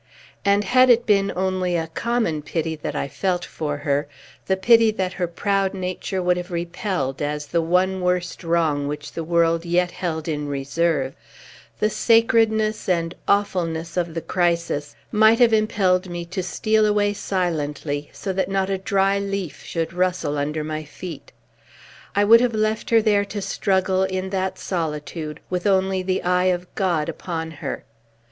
And had it been only a common pity that I felt for her, the pity that her proud nature would have repelled, as the one worst wrong which the world yet held in reserve, the sacredness and awfulness of the crisis might have impelled me to steal away silently, so that not a dry leaf should rustle under my feet. I would have left her to struggle, in that solitude, with only the eye of God upon her.